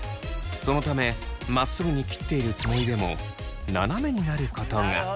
そのためまっすぐに切っているつもりでもななめになることが。